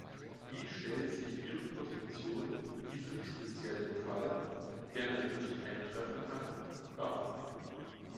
Wie stellt sich Ihre Position in diesem speziellen Fall, der natürlich eintreffen kann, dar?